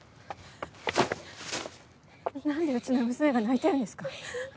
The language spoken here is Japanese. なんでうちの娘が泣いてるんですか？